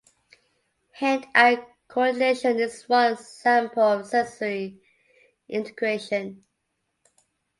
Hand eye coordination is one example of sensory integration.